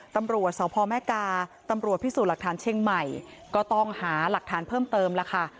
ตำรวจสพแม่กาตำรวจพิสูจน์หลักฐานเชียงใหม่ก็ต้องหาหลักฐานเพิ่มเติมแล้วค่ะ